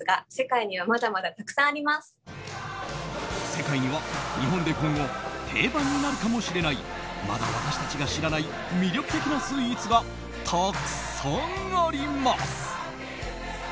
世界には日本で今後定番になるかもしれないまだ、私たちが知らない魅力的なスイーツがたくさんあります。